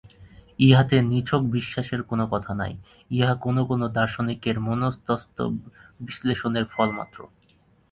ইহাতে নিছক বিশ্বাসের কোন কথা নাই, ইহা কোন কোন দার্শনিকের মনস্তত্ব-বিশ্লেষণের ফলমাত্র।